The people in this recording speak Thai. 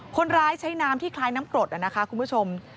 คนร้ายใช้น้ำที่คล้ายน้ำกรดนะคะคุณผู้ชม